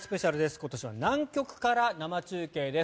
今年は南極から生中継です。